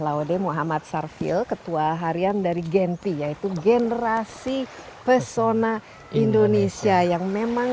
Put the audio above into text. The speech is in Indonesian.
laude muhammad sarfil ketua harian dari genpi yaitu generasi pesona indonesia yang memang